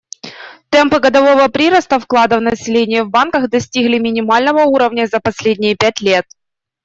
Темпы годового прироста вкладов населения в банках достигли минимального уровня за последние пять лет.